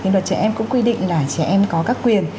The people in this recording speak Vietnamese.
luật trẻ em cũng quy định là trẻ em có các quyền